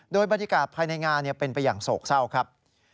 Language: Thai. โดยบรรยากาศภายในงานเป็นไปอย่างโศกเศร้าครับ